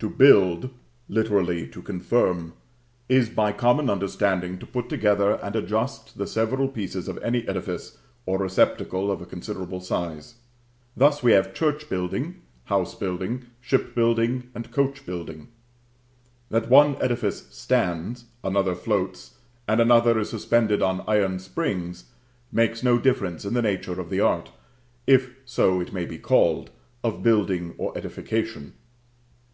To build, literally to confirm, is by common understanding to put together and adjust the several pieces of any edifice or receptacle of a considerable size. Thus we have church building, house building, ship building, and coach building. That one edifice stands, another floats, and another is suspended on iron springs, makes no difference in the nature of the art, if so it may be called, of building or edification.